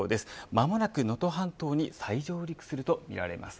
間もなく能登半島に再上陸するとみられています。